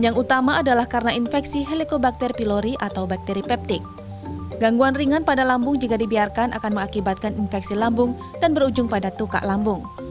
gangguan ringan pada lambung jika dibiarkan akan mengakibatkan infeksi lambung dan berujung pada tukak lambung